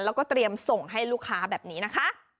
แล้วก็เตรียมส่งให้ลูกค้าแบบนี้นะคะ